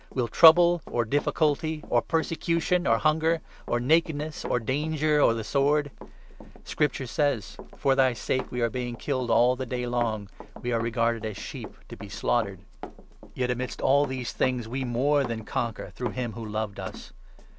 Will trouble, or difficulty, or persecution, or hunger, or nakedness, or danger, or the sword ? Scripture says — 36 ' For thy sake we are being killed all the day long , We are regarded as sheep to be slaughtered.' sa. 50. 8—9 ; P». no. i. 3« Pa. 44. aa. ROMANS, 8—9. 363 Yet amidst all these things we more than conquer through him 37 who loved us